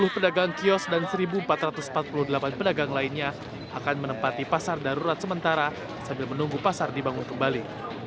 sepuluh pedagang kios dan satu empat ratus empat puluh delapan pedagang lainnya akan menempati pasar darurat sementara sambil menunggu pasar dibangun kembali